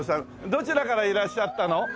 どちらからいらっしゃったの？